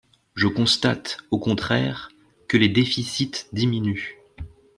Je constate, au contraire, que les déficits diminuent.